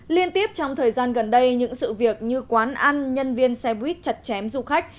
liên tiếp trong thời gian gần đây những sự việc như quán ăn nhân viên xe buýt chặt chém du khách